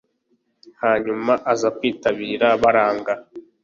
hanyuma azakwitabira baranga.